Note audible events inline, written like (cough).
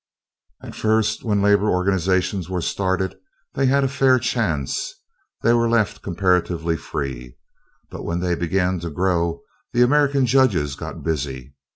(applause) At first, when labor organizations were started they had a fair chance; they were left comparatively free; but when they began to grow the American judges got busy.